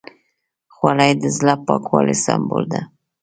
خولۍ د زړه پاکوالي سمبول ده.